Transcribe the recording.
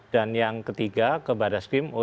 dan yang ketiga ke badaskrim